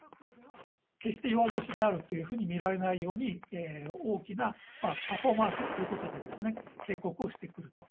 決して弱腰であるというふうに見られないように、大きなパフォーマンスということで警告をしてくると。